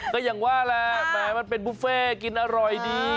ก็อย่างว่าแหละแหมมันเป็นบุฟเฟ่กินอร่อยดี